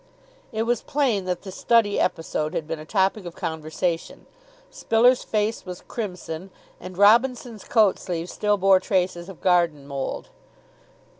It was plain that the study episode had been a topic of conversation. Spiller's face was crimson, and Robinson's coat sleeve still bore traces of garden mould.